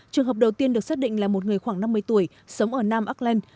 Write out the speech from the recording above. trường hợp đầu tiên được xác định là một người khoảng năm mươi tuổi sống ở nam auckland